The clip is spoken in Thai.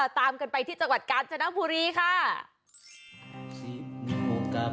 ตามกันไปที่จังหวัดกาญจนบุรีค่ะ